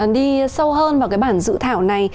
đi sâu hơn vào cái bản dự thảo này